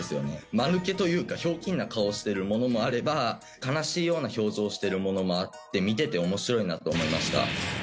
間抜けというかひょうきんな顔をしているものもあれば悲しいような表情をしてるものもあって見ていて面白いなと思いました。